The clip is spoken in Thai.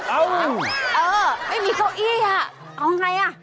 เอาเออไม่มีเก้าอี้อ่ะเอาไงอ่ะ